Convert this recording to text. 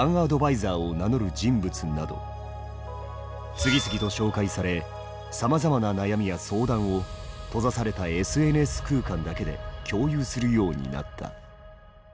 次々と紹介されさまざまな悩みや相談を閉ざされたＳＮＳ空間だけで共有するようになった。